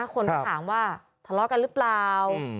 คนก็ถามว่าทะเลาะกันหรือเปล่า